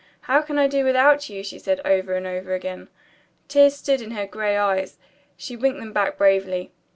"How can I do without you?" she said over and over again. Tears stood in her gray eyes. She winked them back bravely.